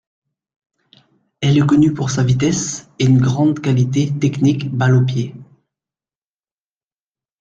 Elle est connue pour sa vitesse et une grande qualité technique balle aux pieds.